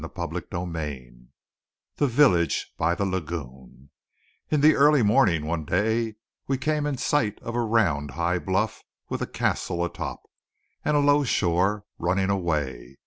CHAPTER IV THE VILLAGE BY THE LAGOON In the early morning one day we came in sight of a round high bluff with a castle atop, and a low shore running away.